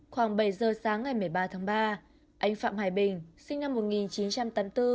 khoảng bảy giờ sáng ngày một mươi ba tháng ba anh phạm hải bình sinh năm một nghìn chín trăm tám mươi bốn